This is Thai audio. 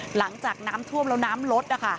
หลังจากน้ำท่วมแล้วน้ำลดนะคะ